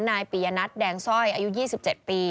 นายปียนัทแดงสร้อยอายุ๒๗ปี